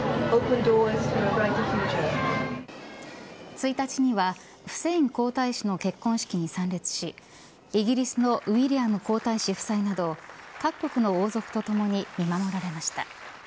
１日にはフセイン皇太子の結婚式に参列しイギリスのウィリアム皇太子夫妻など各国の王族とともに見守られました。